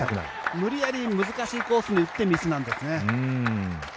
無理やり難しいコースに打ってミスなんですね。